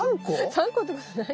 ３個ってことない？